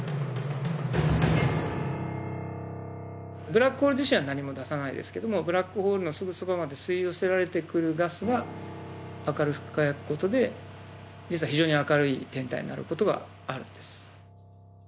ブラックホール自身は何も出さないですけどもブラックホールのすぐそばまで吸い寄せられてくるガスが明るく輝くことで実は非常に明るい天体になることがあるんです。